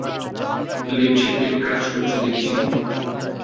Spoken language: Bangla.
লেট শিফটে কাজ করছ দেখছি!